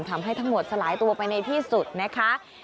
ทำให้ทั้งหมดสลายตัวไปในที่สุดนะคะ